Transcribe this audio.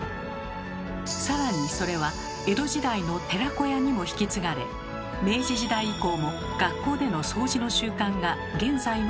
更にそれは江戸時代の寺子屋にも引き継がれ明治時代以降も学校での掃除の習慣が現在まで続いています。